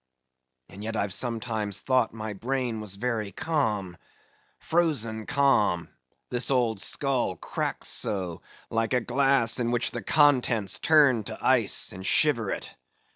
And yet, I've sometimes thought my brain was very calm—frozen calm, this old skull cracks so, like a glass in which the contents turned to ice, and shiver it.